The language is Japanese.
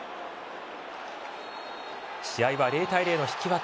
試合は０対０の引き分け。